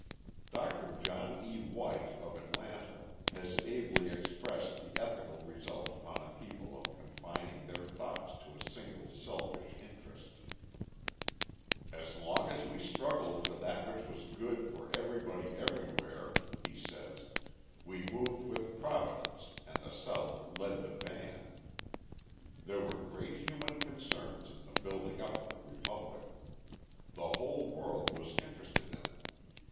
Dr. John E. White of Atlanta has ably expressed the ethical result upon a people of confining their thought to a single selfish interest: "As long as we struggled for that which was good for everybody everywhere," he says, "we moved with Providence and the South led the van. There were great human concerns in the building up of the Republic. The whole world was interested in it.